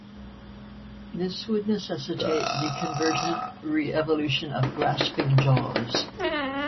This would necessitate the convergent re-evolution of grasping jaws.